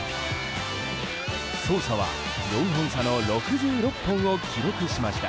ソーサは４本差の６６本を記録しました。